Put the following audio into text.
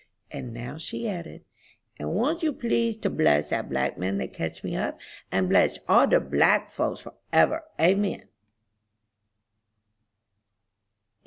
And now she added, "And won't you please to bless that black man that catched me up, and bless all the black folks, forever, amen."